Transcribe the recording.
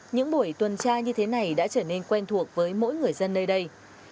những buổi tuần tra như thế này đã trở nên quen thuộc với mỗi người dân nơi đây